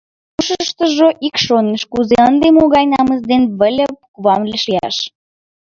Ушыштыжо ик шоныш: «Кузе ынде, могай намыс дене Выльып кувам вашлиям?